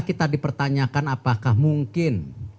kita dipertanyakan apakah mungkin